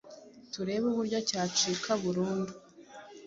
turebe uburyo cyacika burundu